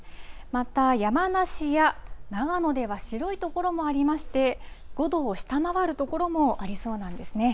また山梨や長野では、白い所もありまして、５度を下回る所もありそうなんですね。